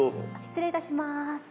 失礼いたします。